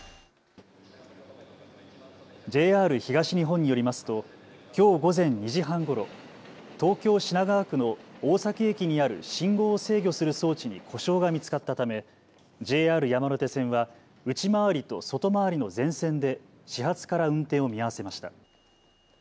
ＪＲ東日本によりますときょう午前２時半ごろ、東京品川区の大崎駅にある信号を制御する装置に故障が見つかったため、ＪＲ山手線は内回りと外回りの全線で始発から運転を見合わせました。